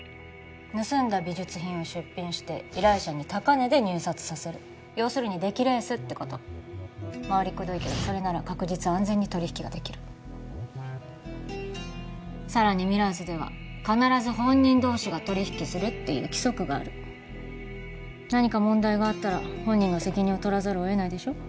盗んだ美術品を出品して依頼者に高値で入札させる要するに出来レースってことまわりくどいけどそれなら確実安全に取り引きができるさらにミラーズでは必ず本人同士が取り引きするっていう規則がある何か問題があったら本人が責任を取らざるを得ないでしょ？